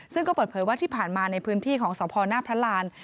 ซึ่งก็เปิดเผยว่าที่ผ่านมาในพื้นที่ของสพหน้าพระราน